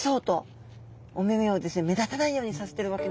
目立たないようにさせてるわけなんですね。